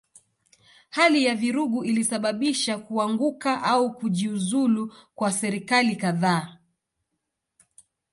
Hali ya vurugu ilisababisha kuanguka au kujiuzulu kwa serikali kadhaa.